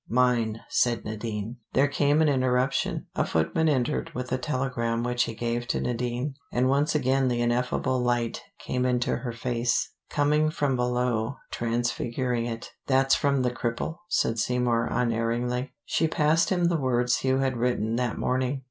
"Mine," said Nadine. There came an interruption. A footman entered with a telegram which he gave to Nadine. And once again the ineffable light came into her face, coming from below, transfiguring it. "That's from the cripple," said Seymour unerringly. She passed him the words Hugh had written that morning.